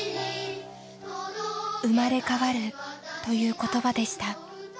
「生まれ変わる」という言葉でした。